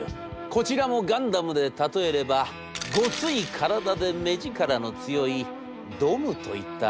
こちらもガンダムで例えればごつい体で目力の強いドムといったところでございましょうか。